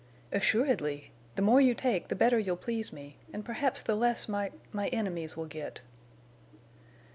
"Assuredly. The more you take the better you'll please me—and perhaps the less my—my enemies will get."